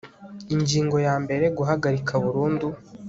Ingingo ya mbere Guhagarika burundu